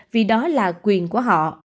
vì đó là quyền của họ